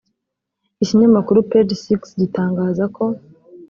Ikinyamakuru Page Six gitangaza ko